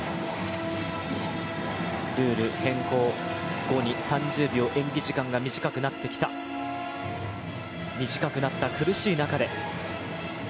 ルール変更後に３０秒演技時間が短くなってきた、短くなった苦しい中で。